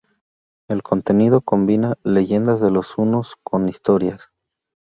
El contenido combina leyendas de los hunos con historia.